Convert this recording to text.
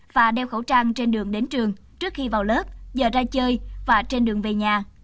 và đeo khẩu trang trên đường đến trường trước khi vào lớp giờ ra chơi và trên đường về nhà